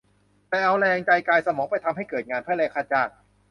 แต่เอาแรง ใจ กาย สมอง ไปทำให้เกิดงาน เพื่อแลกค่าจ้าง